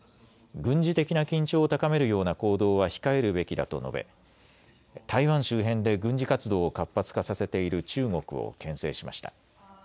軍事的な緊張を高めるような行動は控えるべきだと述べ台湾周辺で軍事活動を活発化させている中国をけん制しました。